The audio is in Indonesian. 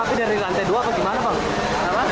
itu api dari lantai dua apa gimana bang